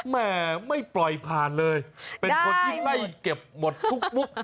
แม่ไม่ปล่อยผ่านเลยเป็นคนที่ไม่เก็บหมดทุกมุก